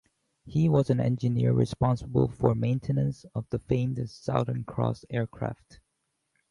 He was the engineer responsible for maintenance of the famed "Southern Cross" aircraft.